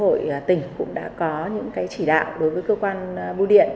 hội tỉnh cũng đã có những chỉ đạo đối với cơ quan biêu điện